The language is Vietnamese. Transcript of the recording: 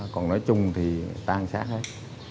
còn nói chung thì tan sát hết